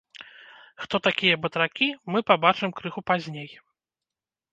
Хто такія батракі, мы пабачым крыху пазней.